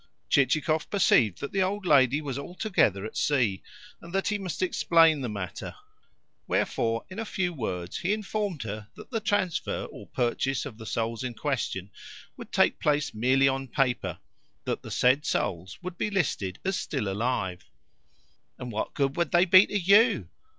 Chichikov perceived that the old lady was altogether at sea, and that he must explain the matter; wherefore in a few words he informed her that the transfer or purchase of the souls in question would take place merely on paper that the said souls would be listed as still alive. "And what good would they be to you?"